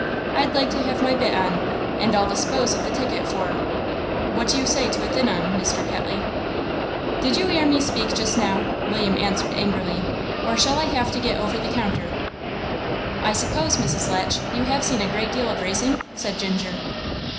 I'd like to have my bit on, and I'll dispose of the ticket for what do you say to a thin 'un, Mr. Ketley?" "Did you 'ear me speak just now?" William answered angrily, "or shall I have to get over the counter?" "I suppose, Mrs. Latch, you have seen a great deal of racing?" said Ginger.